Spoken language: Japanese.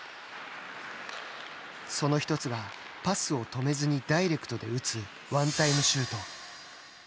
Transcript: その１つが、パスを止めずにダイレクトで打つワンタイムシュート。